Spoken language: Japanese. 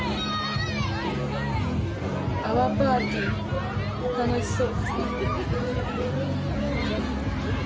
泡パーティー、楽しそう。